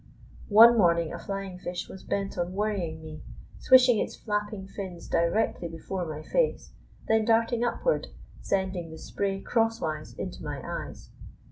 One morning a flying fish was bent on worrying me, swishing its flapping fins directly before my face, then darting upward, sending the spray cross wise into my eyes.